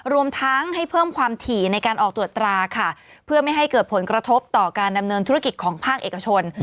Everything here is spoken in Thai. รวมทั้งให้เพิ่มความถี่ในการออกตรวจตราค่ะเพื่อไม่ให้เกิดผลกระทบต่อการดำเนินธุรกิจของภาคเอกชน